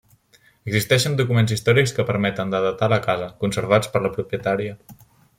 Existeixen documents històrics que permeten de datar la casa, conservats per la propietària.